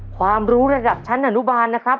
ความรู้ระดับชั้นอนุบาลนะครับ